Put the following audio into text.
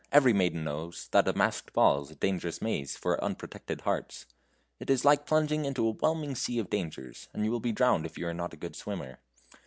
Every maiden knows that a masked ball is a dangerous maze for unprotected hearts. It is like plunging into a whelming sea of dangers, and you will be drowned if you are not a good swimmer.